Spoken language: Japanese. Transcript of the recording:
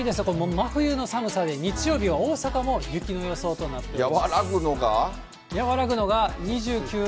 真冬の寒さで、日曜日は大阪も雪の予想となっています。